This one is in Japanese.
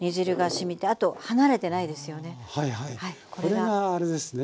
これがあれですね